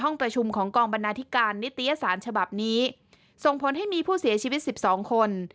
ประชุมของกองบรรณาธิการนิตยสารฉบับนี้ส่งผลให้มีผู้เสียชีวิต๑๒คน